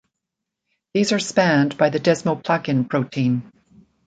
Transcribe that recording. These are spanned by the desmoplakin protein.